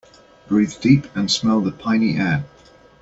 Breathe deep and smell the piny air.